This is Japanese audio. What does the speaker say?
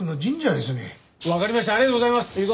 ありがとうございます。